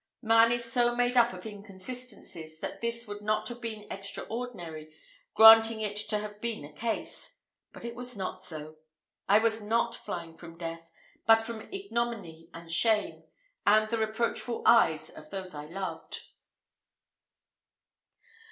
Man is so made up of inconsistencies, that this would not have been extraordinary, granting it to have been the case but it was not so. I was not flying from death, but from ignominy and shame, and the reproachful eyes of those I loved.